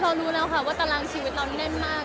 รู้แล้วค่ะว่าตารางชีวิตเราแน่นมาก